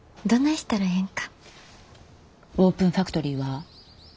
オープンファクトリーは？